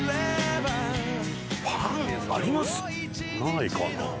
ないかな？